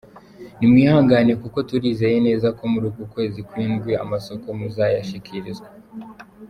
"Nimwihangane kuko turizeye neza ko muri uku kwezi kw'indwi amasoko muzoyashikirizwa.